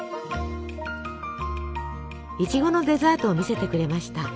いちごのデザートを見せてくれました。